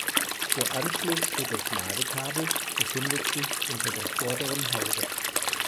Der Anschluss für das Ladekabel befindet sich unter der vorderen Haube.